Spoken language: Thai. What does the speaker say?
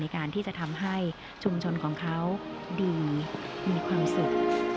การที่จะทำให้ชุมชนของเขาดีมีความสุข